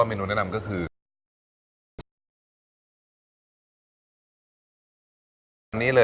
อ่ะเมนูแนะนำของคุณออกปอว์ก็คือ